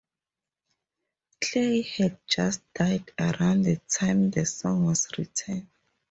Clay had just died around the time the song was written.